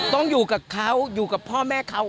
ต้องอยู่กับเขาอยู่กับพ่อแม่เขา